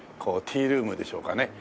ティールームでしょうかね。